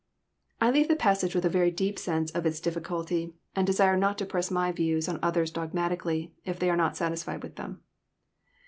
I leave the passage with a very deep sense of its difflcnlty, and desire not to press my views on others dogmatically, if they are not satisfied with them.